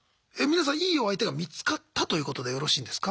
皆さんいいお相手が見つかったということでよろしいんですか？